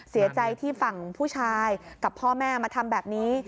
เสียใจที่ฝั่งผู้ชายกับพ่อแม่มาทำแบบนี้